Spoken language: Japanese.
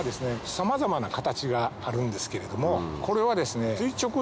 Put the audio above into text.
さまざまな形があるんですけれどもこれはですね。